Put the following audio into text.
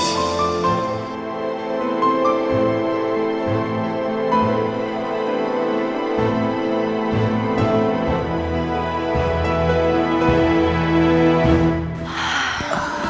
sampai jumpa lagi